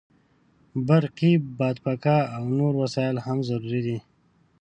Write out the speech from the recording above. برقي بادپکه او نور وسایل هم ضروري دي.